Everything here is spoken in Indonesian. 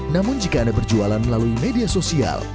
namun jika anda berjualan melalui media sosial